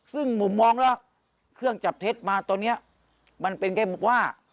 ซึ่งมุมมองแล้วเครื่องจับเท็จมาตอนนี้มันเป็นแค่ว่า